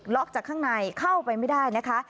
ล็อกจากข้างในเข้าไปไม่ได้